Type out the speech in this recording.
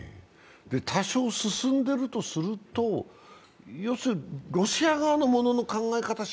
多少進んでるとすると要するにロシア側のものの考え方